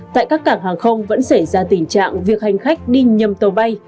tại các cảng hàng không vẫn xảy ra tình trạng việc hành khách đi nhầm tàu bay